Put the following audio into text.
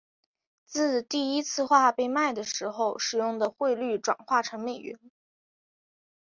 自第一次画被卖的时候使用的汇率转换成美元。